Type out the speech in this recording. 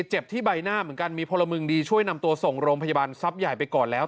เจ็บที่ใบหน้าเหมือนกันมีพลเมืองดีช่วยนำตัวส่งโรงพยาบาลทรัพย์ใหญ่ไปก่อนแล้ว